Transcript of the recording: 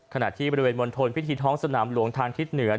ขณะที่บริเวณมณฑลพิธีท้องสนามหลวงทางทิศเหนือ